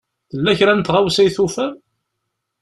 Tella kra n tɣawsa i tufam?